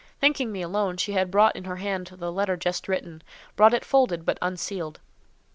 Thinking me alone, she had brought in her hand the letter just written—brought it folded but unsealed.